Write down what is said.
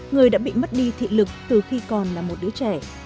người đã bị mất đi thị lực từ khi còn là một đứa trẻ